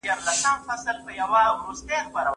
لارښود د شاګردانو د علمي ستونزو په حل کي مرسته کوي.